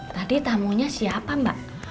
tadi tamunya siapa mbak